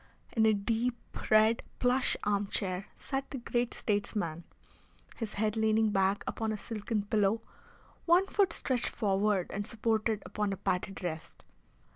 In a deep red plush armchair sat the great statesman, his head leaning back upon a silken pillow, one foot stretched forward and supported upon a padded rest.